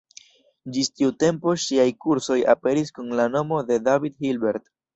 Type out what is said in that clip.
Ĝis tiu tempo ŝiaj kursoj aperis kun la nomo de David Hilbert.